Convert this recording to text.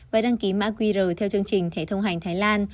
và đăng ký mã qr theo chương trình thẻ thông hành thái lan